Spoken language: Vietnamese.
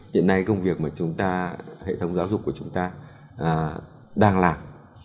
hiện nay công việc mà chúng ta hệ thống giáo dục của chúng ta đang làm